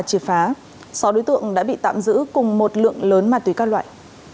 triệt phá sáu đối tượng đã bị tạm giữ cùng một lượng lớn ma túy các loại